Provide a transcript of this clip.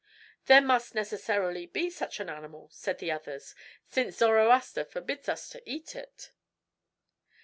"There must necessarily be such an animal," said the others, "since Zoroaster forbids us to eat it."